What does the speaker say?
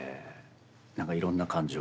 なんかいろんな感情を。